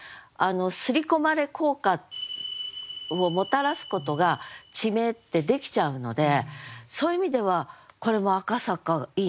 “すり込まれ効果”をもたらすことが地名ってできちゃうのでそういう意味ではこれも「赤坂」いいなと思ってます。